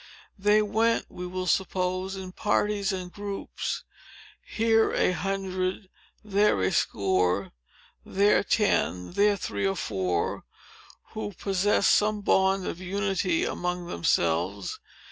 They went, we will suppose, in parties and groups, here a hundred, there a score, there ten, there three or four, who possessed some bond of unity among themselves.